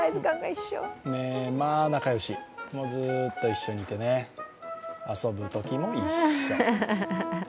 まあ、仲良し、ずっと一緒にいてね遊ぶときも一緒。